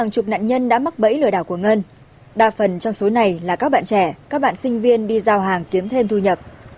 các bạn trẻ các bạn sinh viên đi giao hàng kiếm thêm thu nhập